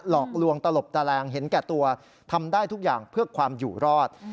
หลอกลวงตลบตาแรงเห็นแก่ตัวทำได้ทุกอย่างเพื่อความอยู่รอด